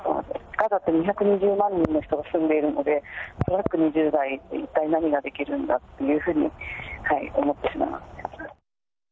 ガザには２２０万人の人が住んでいるので、トラック２０台で一体何ができるんだというふうに思っています。